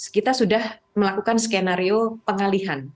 kita sudah melakukan skenario pengalihan